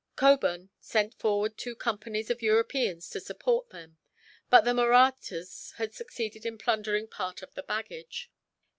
Cockburn sent forward two companies of Europeans to support them, but the Mahrattas had succeeded in plundering part of the baggage.